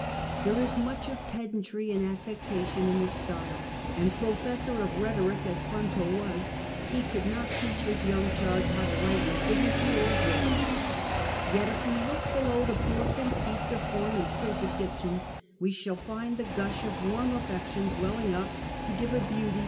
There is much of pedantry and affectation in the style, and professor of rhetoric as Fronto was, he could not teach his young charge how to write with dignity or grace. Yet if we look below the poor conceits of form and stilted diction, we shall find the gush of warm affections welling up to give a beauty to A* H, G His corre spondence with Fronto, his old tutor.